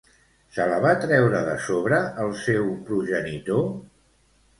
Se la va treure de sobre el seu progenitor?